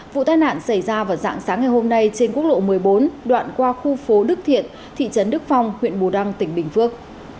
vụ tai nạn xảy ra vào dạng sáng ngày hôm nay trên quốc lộ một mươi bốn đoạn qua khu phố đức thiện thị trấn đức phong huyện bù đăng tỉnh bình phước